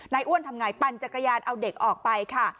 อ้วนทำไงปั่นจักรยานเอาเด็กออกไปค่ะ